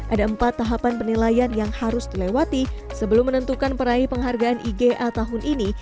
ada empat tahapan penilaian yang harus dilewati sebelum menentukan peraih penghargaan iga tahun ini